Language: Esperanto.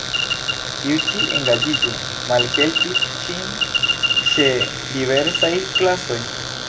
Tiu ĉi engaĝiĝo malhelpis ŝin ĉe diversaj klasoj.